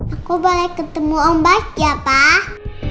aku boleh ketemu om baik ya pak